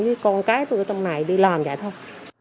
với con cái tôi ở trong này đi làm vậy thôi